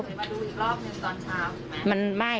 เคยมาดูอีกรอบหนึ่งตอนเช้าหรือไม่